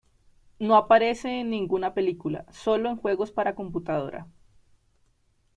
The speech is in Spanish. No aparece en ninguna película, solo en juegos para computadora.